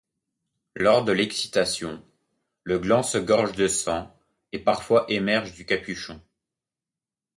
Lors de l'excitation, le gland se gorge de sang et parfois émerge du capuchon.